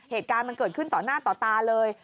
เหตุการณ์มันเกิดขึ้นต่อหน้าต่อตาเลย